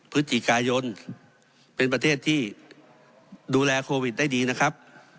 พฤศจิกายนเป็นประเทศที่ดูแลโควิดได้ดีนะครับ